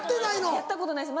やったことないです。